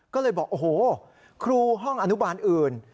ก็เลยบอกโอ้โหครูห้องอนุบาลอื่น